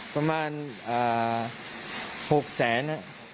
ประมาณ๖แสน